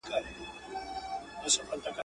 په خپل ژوند کي په کلونو، ټول جهان سې غولولای ..